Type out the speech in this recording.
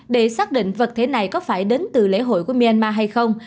để xác định vật thế này có phải đến từ lễ hội của myanmar hay không